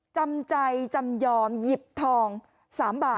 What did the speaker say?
จำใจจำยอมหยิบทอง๓บาท